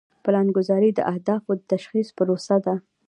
پلانګذاري د اهدافو د تشخیص پروسه ده.